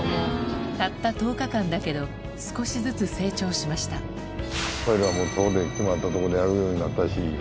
たった１０日間だけど少しずつ成長しましたトイレはいつもやったとこでやるようになったし。